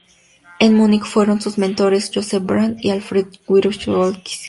En Múnich fueron sus mentores Józef Brandt y Alfred Wierusz-Kowalski.